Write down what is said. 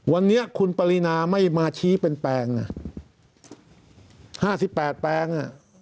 วันนี้คุณปรินาไม่มาชี้เป็นแปลง๕๘แปลง